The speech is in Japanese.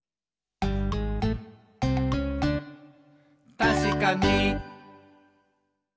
「たしかに！」